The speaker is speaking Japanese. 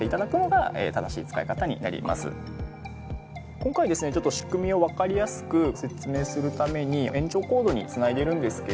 今回ですね仕組みをわかりやすく説明するために延長コードに繋いでいるんですけど。